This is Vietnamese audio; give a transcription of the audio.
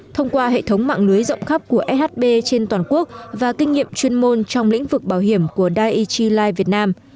thông qua hệ thống mạng lưới rộng khắp của shb trên toàn quốc và kinh nghiệm chuyên môn trong lĩnh vực bảo hiểm của daity life việt nam